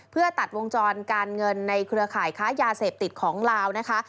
เพื่อตัดวงจรการเงินในเครือข่ายค้ายาเสพติดของลาวนะคะ